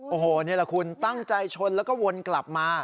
โอ้โหนี่แหละคุณตั้งใจชนแล้วก็วนกลับมา